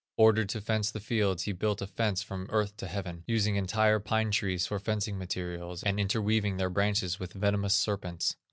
Ordered to fence the fields, he built a fence from earth to heaven, using entire pine trees for fencing materials, and interweaving their branches with venomous serpents.